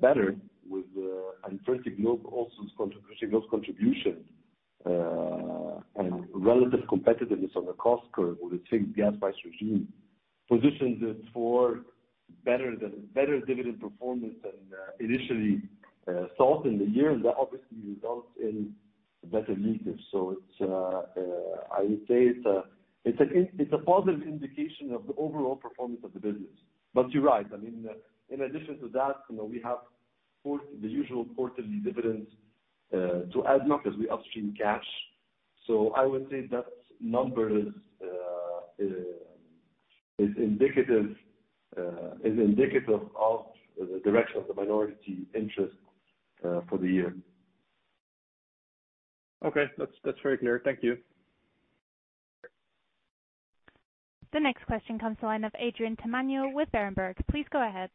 better with Fertiglobe also contributing those contributions, and relative competitiveness on the cost curve with the same gas price regime, positions it for better dividend performance than initially thought in the year. That obviously results in better [levels]. I would say it's a positive indication of the overall performance of the business. You're right. In addition to that, we have the usual quarterly dividends to add back as we upstream cash. I would say that number is indicative of the direction of the minority interest for the year. Okay. That's very clear. Thank you. The next question comes to line of Adrien Tamagno with Berenberg. Please go ahead.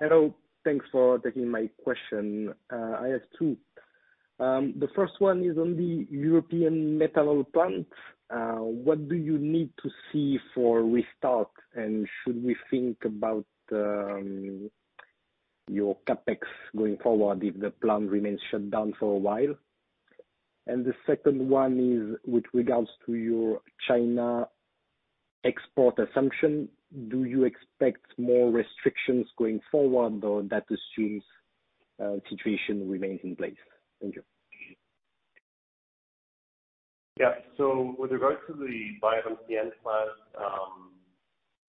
Hello. Thanks for taking my question. I have two. The first one is on the European methanol plant. What do you need to see for restart? Should we think about your CapEx going forward if the plant remains shut down for a while? The second one is with regards to your China export assumption. Do you expect more restrictions going forward, or that assumes situation remains in place? Thank you. Yeah. With regards to the bio-methanol plant,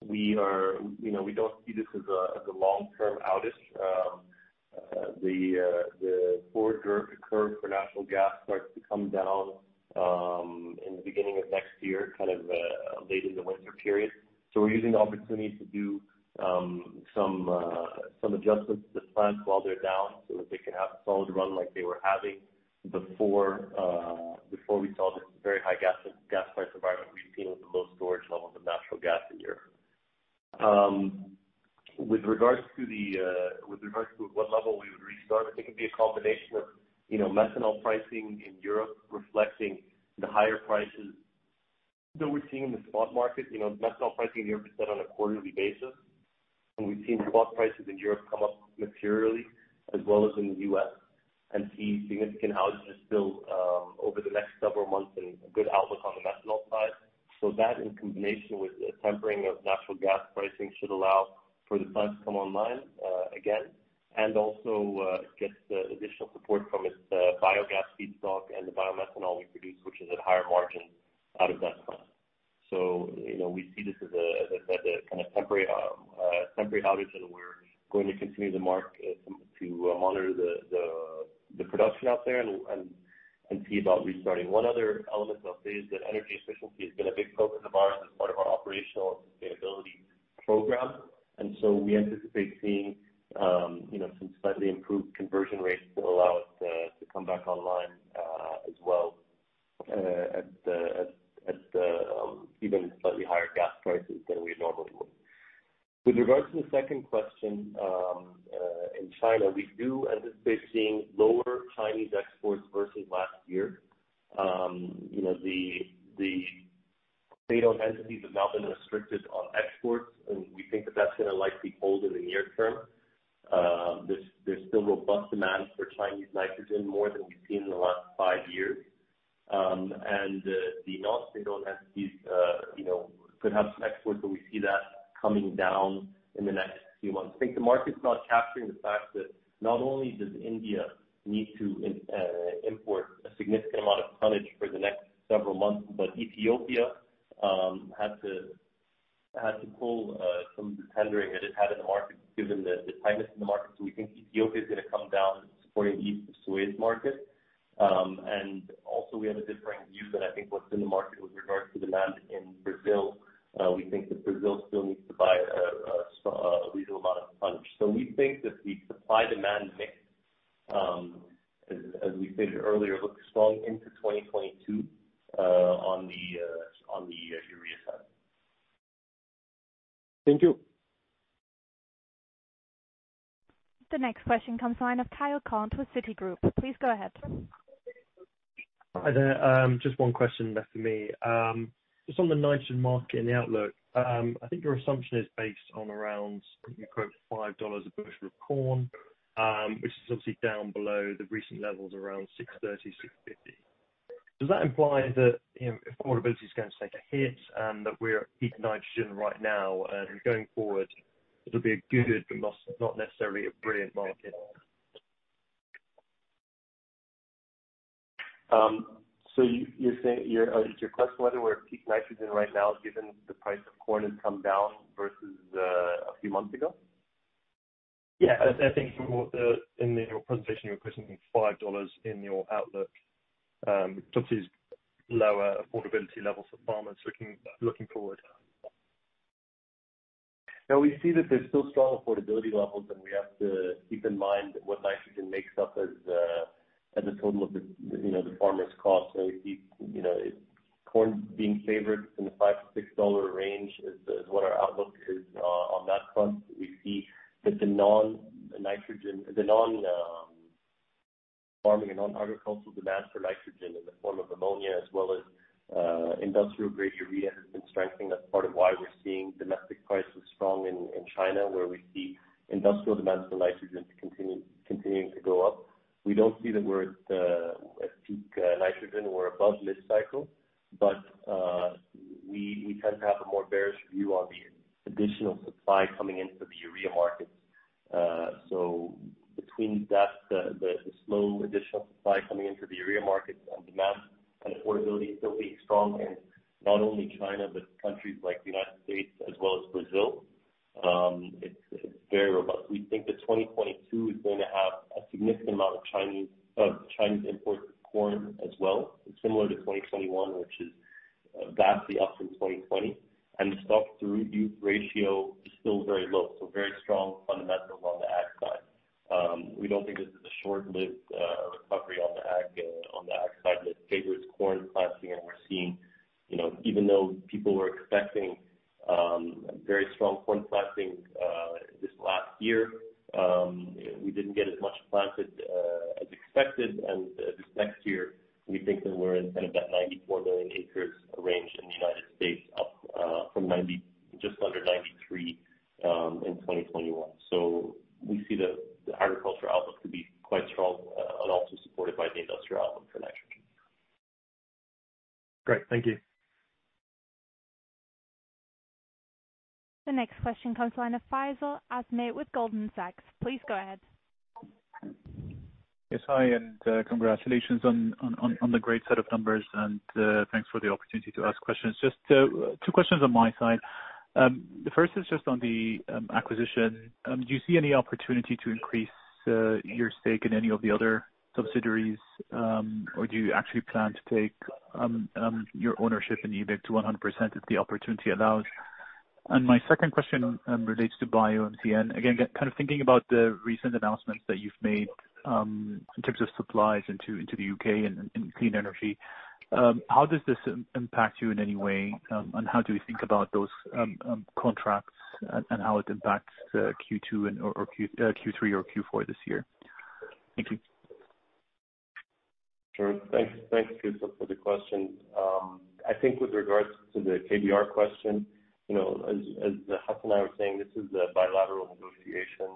we don't see this as a long-term outage. The forward curve for natural gas starts to come down in the beginning of next year, kind of late in the winter period. We're using the opportunity to do some adjustments to the plants while they're down so that they can have solid run like they were having before we saw this very high gas price environment. We've seen with the low storage levels of natural gas in Europe. With regards to what level we would restart, I think it'd be a combination of methanol pricing in Europe reflecting the higher prices that we're seeing in the spot market. Methanol pricing in Europe is set on a quarterly basis, and we've seen spot prices in Europe come up materially as well as in the U.S. and see significant outages still over the next several months and a good outlook on the methanol side. That in combination with a tempering of natural gas pricing should allow for the plants to come online again and also get additional support from its biogas feedstock and the bio-methanol we produce, which is at higher margin out of that plant. We see this as a kind of temporary outage, and we're going to continue to monitor the production out there and see about restarting. One other element I'll say is that energy efficiency has been a big focus of ours as part of our operational sustainability program. We anticipate seeing some slightly improved conversion rates that allow us to come back online as well at even slightly higher gas prices than we normally would. With regards to the second question, in China, we do anticipate seeing lower Chinese exports versus last year. The state-owned entities have now been restricted on exports, and we think that that's going to likely hold in the near term. There's still robust demand for Chinese nitrogen, more than we've seen in the last five years. The non-state-owned entities could have some exports, but we see that coming down in the next few months. I think the market's not capturing the fact that not only does India need to import a significant amount of tonnage for the next several months, but Ethiopia had to pull some tendering that it had in the market given the tightness in the market. We think Ethiopia is going to come down supporting East Suez market. We have a differing view than I think what's in the market with regards to demand in Brazil. We think that Brazil still needs to buy a reasonable amount of [fund]. We think that the supply-demand mix, as we stated earlier, looks strong into 2022 on the urea side. Thank you. The next question comes the line of [Tyler Radke] with Citigroup. Please go ahead. Hi there. Just one question left for me. Just on the nitrogen market and the outlook. I think your assumption is based on around, you quote $5 a bushel of corn, which is obviously down below the recent levels, around $6.30, $6.50. Does that imply that affordability is going to take a hit and that we're at peak nitrogen right now, and going forward, it'll be a good but not necessarily a brilliant market? Is your question whether we're at peak nitrogen right now given the price of corn has come down versus a few months ago? I think in your presentation, you were questioning $5 in your outlook. Obviously, it's lower affordability levels for farmers looking forward. No, we see that there's still strong affordability levels, and we have to keep in mind that what nitrogen makes up as the total of the farmer's cost. We see corn being favored in the $5-$6 range is what our outlook is on that front. We see that the non-farming and non-agricultural demand for nitrogen in the form of ammonia as well as industrial-grade urea has been strengthening. That's part of why we're seeing domestic prices strong in China, where we see industrial demands for nitrogen continuing to go up. We don't see that we're at peak nitrogen. We're above mid-cycle, we tend to have a more bearish view on the additional supply coming into the urea markets. Between that, the slow additional supply coming into the urea markets on demand and affordability still being strong in not only China, but countries like the United States as well as Brazil, it's very robust. We think that 2022 is going to have a significant amount of Chinese imported corn as well, similar to 2021, which is vastly up from 2020. The stock-to-use ratio is still very low, so very strong fundamentals on the ag side. We don't think this is a short-lived recovery on the ag side. With favor, it's corn planting, and we're seeing even though people were expecting very strong corn planting this last year, we didn't get as much planted as expected. This next year, we think that we're in that 94 million acres range in the United States, up from just under 93 in 2021. We see the agricultural outlook to be quite strong and also supported by the industrial outlook for nitrogen. Great. Thank you. The next question comes to line of Faisal Azmeh with Goldman Sachs. Please go ahead. Yes, hi. Congratulations on the great set of numbers, and thanks for the opportunity to ask questions. Just two questions on my side. The first is just on the acquisition. Do you see any opportunity to increase your stake in any of the other subsidiaries? Or do you actually plan to take your ownership in EBIC to 100% if the opportunity allows? My second question relates to BioMCN. Again, thinking about the recent announcements that you've made in terms of supplies into the U.K. and clean energy, how does this impact you in any way? How do we think about those contracts and how it impacts Q2 or Q3 or Q4 this year? Thank you. Sure. Thanks, Faisal, for the question. I think with regards to the KBR question, as Hassan and I were saying, this is a bilateral negotiation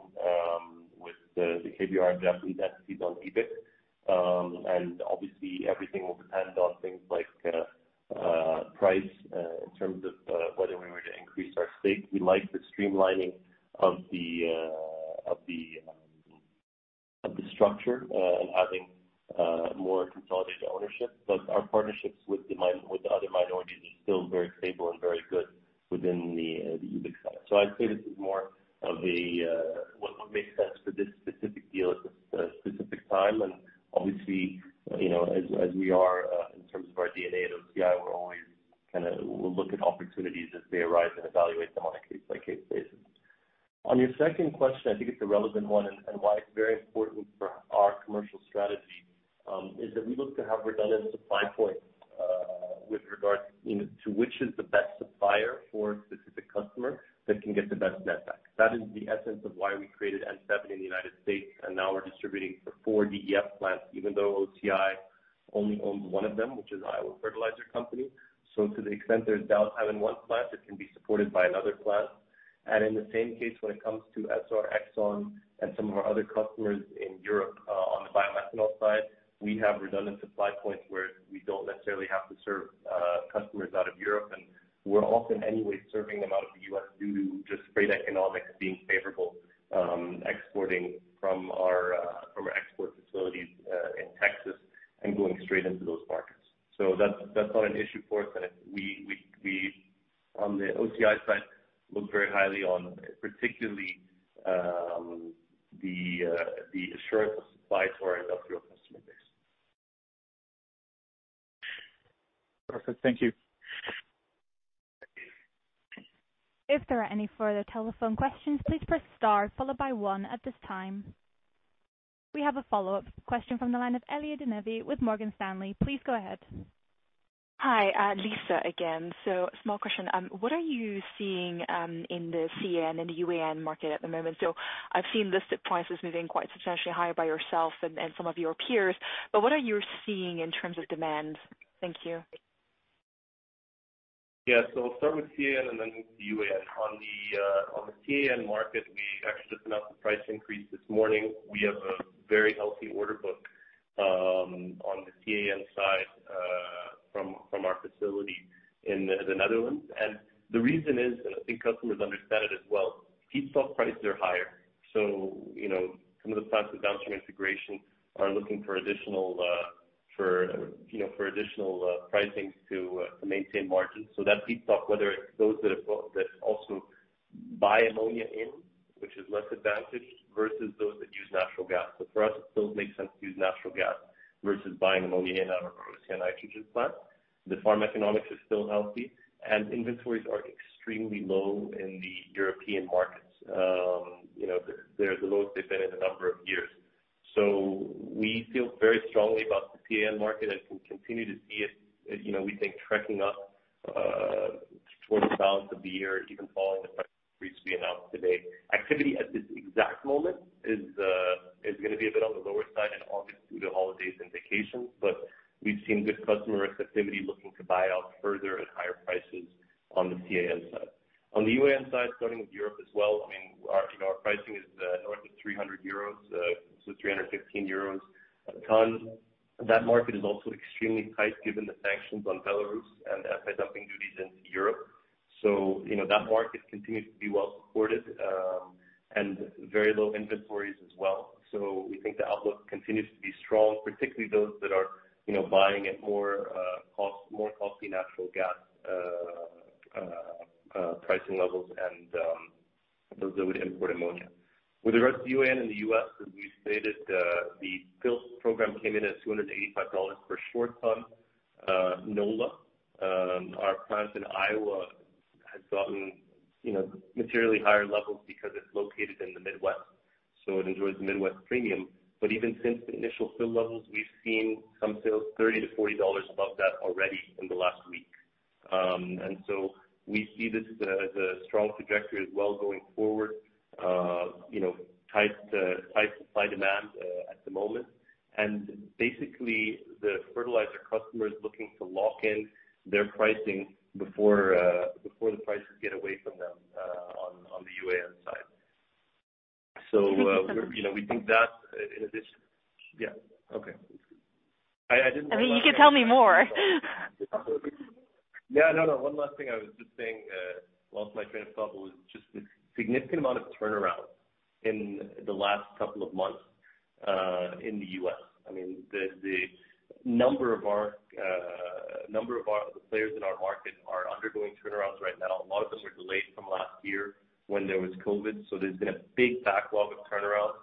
with the KBR and JGC entities on EBIC. Obviously, everything will depend on things like price in terms of whether we were to increase our stake. We like the streamlining of the structure and having more consolidated ownership. Our partnerships with the other minorities is still very stable and very good within the EBIC side. I'd say this is more of what makes sense for this specific deal at this specific time. Obviously, as we are in terms of our DNA at OCI, we'll look at opportunities as they arise and evaluate them on a case-by-case basis. On your second question, I think it's a relevant one, and why it's very important for our commercial strategy is that we look to have redundant supply points with regards to which is the best supplier for a specific customer that can get the best netback. That is the essence of why we created N7 in the U.S., and now we're distributing for four DEF plants, even though OCI only owns one of them, which is Iowa Fertilizer Company. To the extent there's downtime in one plant, it can be supported by another plant. In the same case, when it comes to Essar, Exxon and some of our other customers in Europe on the bio-methanol side, we have redundant supply points where we don't necessarily have to serve customers out of Europe. We're often anyway serving them out of the U.S. due to just freight economics being favorable, exporting from our export facilities in Texas and going straight into those markets. That's not an issue for us. We on the OCI side, look very highly on particularly the assurance of supply to our industrial customers. Perfect. Thank you. If there are any further telephone questions, please press star followed by one at this time. We have a follow-up question from the line of Lisa de Neve with Morgan Stanley. Please go ahead. Hi. Lisa again. Small question. What are you seeing in the CAN and the UAN market at the moment? I've seen listed prices moving quite substantially higher by yourself and some of your peers, what are you seeing in terms of demand? Thank you. Yeah. I'll start with CAN and then move to UAN. On the CAN market, we actually just announced the price increase this morning. We have a very healthy order book on the CAN side from our facility in the Netherlands. The reason is, and I think customers understand it as well, feedstock prices are higher. Some of the plants with downstream integration are looking for additional pricing to maintain margins. That feedstock, whether it's those that also buy ammonia in, which is less advantaged, versus those that use natural gas. For us, it still makes sense to use natural gas versus buying ammonia in our OCI Nitrogen plant. The farm economics is still healthy and inventories are extremely low in the European markets. They're the lowest they've been in a number of years. We feel very strongly about the CAN market and can continue to see it we think trending up towards the balance of the year, even following the price increase we announced today. Activity at this exact moment is going to be a bit on the lower side in August due to holidays and vacations, but we've seen good customer receptivity looking to buy out further at higher prices on the CAN side. On the UAN side, starting with Europe as well, our pricing is north of 300 euros, so 315 euros a ton. That market is also extremely tight given the sanctions on Belarus and the anti-dumping duties into Europe. That market continues to be well supported, and very low inventories as well. We think the outlook continues to be strong, particularly those that are buying at more costly natural gas pricing levels and those that would import ammonia. With the rest of UAN in the U.S., as we stated, the fill program came in at $285 for a short ton, NOLA. Our plant in Iowa has gotten materially higher levels because it's located in the Midwest, so it enjoys the Midwest premium. Even since the initial fill levels, we've seen some sales $30-$40 above that already in the last week. We see this as a strong trajectory as well going forward, tight supply-demand at the moment, and basically the fertilizer customers looking to lock in their pricing before the prices get away from them on the UAN side. We think that Yeah. Okay. I mean, you can tell me more. Yeah, no. One last thing I was just saying, whilst my train of thought was just the significant amount of turnaround in the last couple of months, in the U.S. The number of the players in our market are undergoing turnarounds right now. A lot of them are delayed from last year when there was COVID. There's been a big backlog of turnarounds.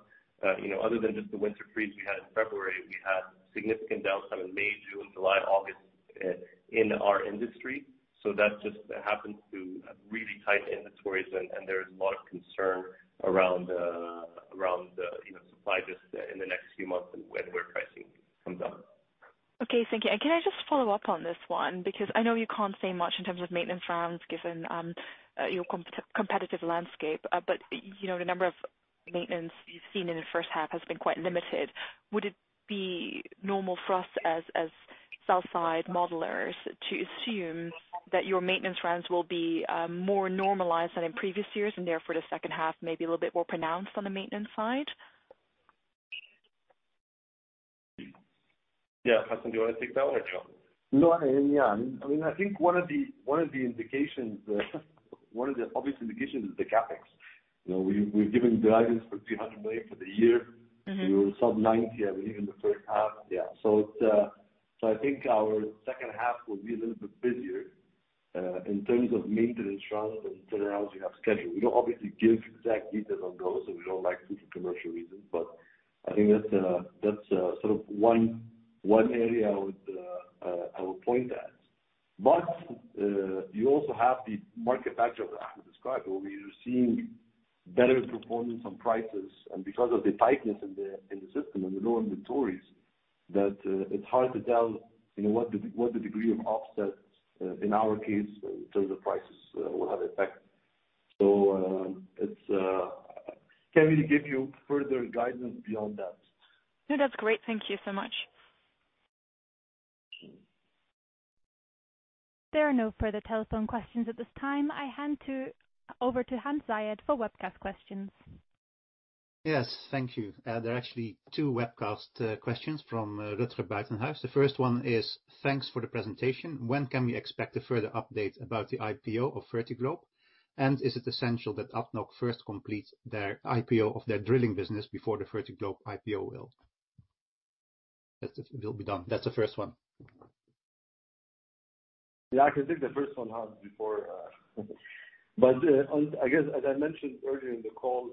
Other than just the winter freeze we had in February, we had significant downtime in May, June, July, August in our industry. That just happens to really tight inventories and there's a lot of concern around the supply just in the next few months and where pricing comes down. Okay, thank you. Can I just follow up on this one? Because I know you can't say much in terms of maintenance rounds given your competitive landscape. The number of maintenance you've seen in the first half has been quite limited. Would it be normal for us as sell side modelers to assume that your maintenance rounds will be more normalized than in previous years, and therefore the second half may be a little bit more pronounced on the maintenance side? Yeah. Hassan, do you want to take that one or shall I? No, yeah. I think one of the obvious indications is the CapEx. We've given guidance for $300 million for the year. We were sub-90, I believe, in the first half. Yeah. I think our second half will be a little bit busier, in terms of maintenance rounds and turnarounds we have scheduled. We don't obviously give exact details on those as we don't like to for commercial reasons. I think that's sort of one area I would point at. You also have the market factor that Ahmed described, where we are seeing better components on prices, and because of the tightness in the system and the low inventories, that it's hard to tell what the degree of offsets in our case in terms of prices will have effect. Can't really give you further guidance beyond that. No, that's great. Thank you so much. There are no further telephone questions at this time. I hand over to Hans Zayed for webcast questions. Yes. Thank you. There are actually two webcast questions from Rutger Buitenhuis. The first one is, "Thanks for the presentation. When can we expect a further update about the IPO of Fertiglobe? Is it essential that ADNOC first completes their IPO of their drilling business before the Fertiglobe IPO will be done?" That's the first one. Yeah, I can take the first one, Hans. I guess as I mentioned earlier in the call,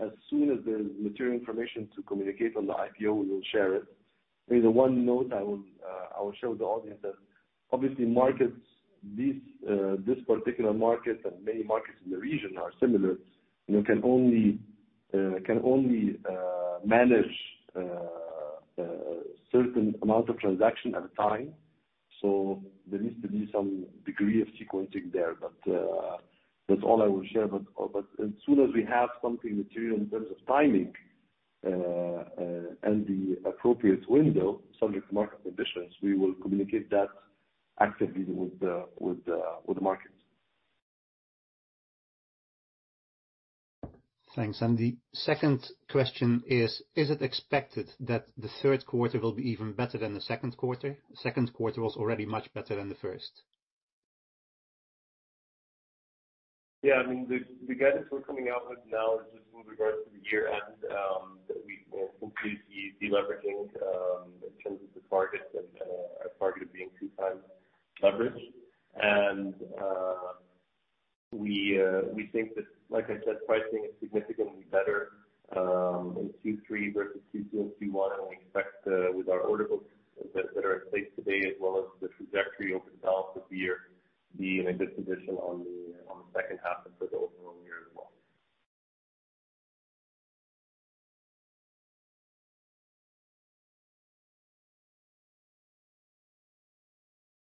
as soon as there's material information to communicate on the IPO, we will share it. Maybe the one note I will share with the audience is, obviously, this particular market and many markets in the region are similar, and can only manage a certain amount of transaction at a time. There needs to be some degree of sequencing there. That's all I will share. As soon as we have something material in terms of timing, and the appropriate window, subject to market conditions, we will communicate that actively with the market. Thanks. The second question is: Is it expected that the third quarter will be even better than the second quarter? The second quarter was already much better than the first. Yeah. The guidance we're coming out with now is just with regards to the year-end, that we will complete the deleveraging in terms of the target, our target of being 2x leverage. We think that, like I said, pricing is significantly better in Q3 versus Q2 and Q1, and we expect with our order books that are in place today, as well as the trajectory over the balance of the year, being in a good position on the second half and for the overall year as well.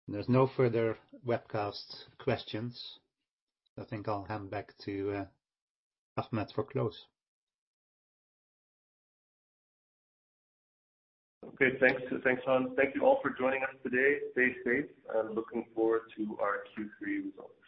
There's no further webcast questions. I think I'll hand back to Ahmed for close. Okay. Thanks, Hans. Thank you all for joining us today. Stay safe, and looking forward to our Q3 results discussion.